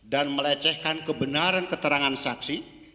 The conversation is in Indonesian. dan melecehkan kebenaran keterangan saksi